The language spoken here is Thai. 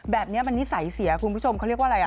แบบนี้มันนิสัยเสียคุณผู้ชมเขาเรียกว่าอะไรอ่ะ